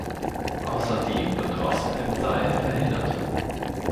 Außerdem wird Rost im Seil verhindert.